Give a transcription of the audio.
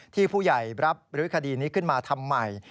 ผู้ใหญ่รับหรือคดีนี้ขึ้นมาทำใหม่